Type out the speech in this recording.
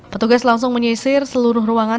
petugas langsung menyisir seluruh ruangan